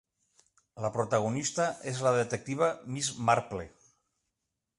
La protagonista és la detectiva Miss Marple.